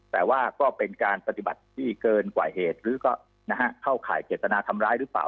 แต่ว่าก็เป็นการปฏิบัติที่เกินกว่าเหตุหรือก็เข้าข่ายเจตนาทำร้ายหรือเปล่า